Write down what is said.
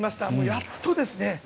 やっとですね。